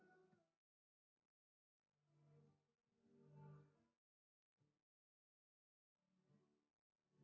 gua memang liham deh